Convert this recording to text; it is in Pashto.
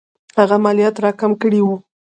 هغه مالیات را کم کړي وو.